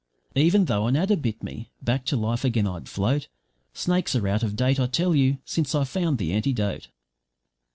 Even though an adder bit me, back to life again I'd float; Snakes are out of date, I tell you, since I've found the antidote.'